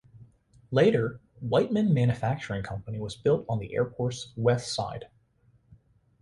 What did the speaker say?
Later Whiteman Manufacturing Company was built on the airport's west side.